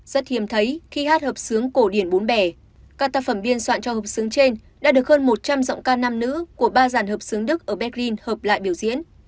rất hiếm thấy khi hát hợp sướng cổ điển bốn bẻ các tác phẩm biên soạn cho hợp xướng trên đã được hơn một trăm linh giọng ca nam nữ của ba dàn hợp xướng đức ở berlin hợp lại biểu diễn